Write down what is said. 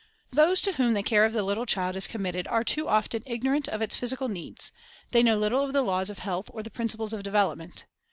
Those to whom the care of the little child is com mitted are too often ignorant of its physical needs; they know little of the laws of health or the principles of development.